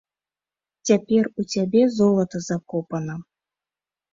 Цяпер у цябе золата закопана.